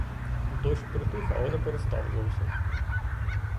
Дощ притих, але не перестав зовсім.